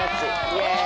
イエーイ！